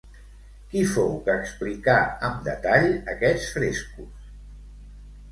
Qui fou que explicà amb detall aquests frescos?